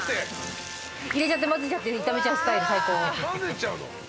入れちゃって混ぜちゃって炒めちゃうスタイル最高。